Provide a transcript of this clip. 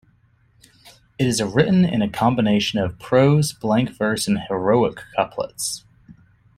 It is written in a combination of prose, blank verse and heroic couplets.